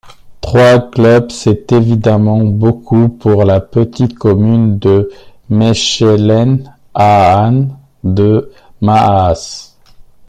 Trois clubs, c'est évidemment beaucoup pour la petite commune de Mechelen-aan-de-Maas.